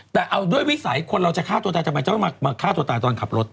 แต่เอาด้วยวิสัยคนเราจะฆ่าตัวตายทำไมจะต้องมาฆ่าตัวตายตอนขับรถ